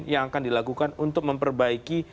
yang akan dilakukan untuk memperbaiki